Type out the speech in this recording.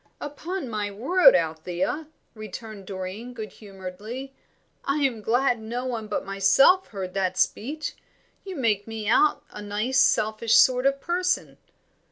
"Upon my word, Althea," returned Doreen, good humouredly, "I am glad no one but myself heard that speech. You make me out a nice selfish sort of person."